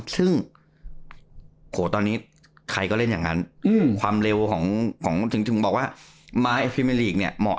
ซึ่งโหตอนนี้